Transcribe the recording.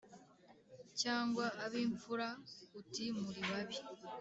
cyangwa ab’imfura uti ‘muri babi’’